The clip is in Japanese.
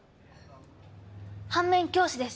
反面教師です。